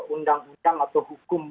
undang undang atau hukum